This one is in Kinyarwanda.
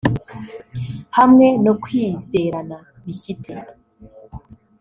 hamwe no kwizerana bishyitse